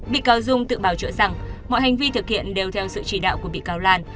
bị cáo dung tự bảo chữa rằng mọi hành vi thực hiện đều theo sự chỉ đạo của bị cáo lan